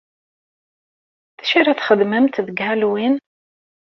D acu ara txedmemt deg Halloween?